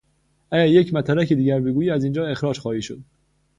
اگر یک متلک دیگر بگویی از این جا اخراج خواهی شد!